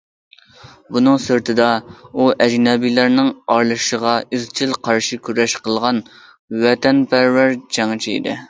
بۇنىڭ سىرتىدا، ئۇ ئەجنەبىيلەرنىڭ ئارىلىشىشىغا ئىزچىل قارشى كۈرەش قىلغان ۋەتەنپەرۋەر جەڭچى ئىدى.